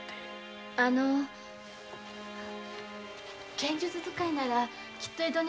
剣術使いならきっと江戸に。